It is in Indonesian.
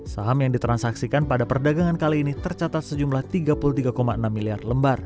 saham yang ditransaksikan pada perdagangan kali ini tercatat sejumlah tiga puluh tiga enam miliar lembar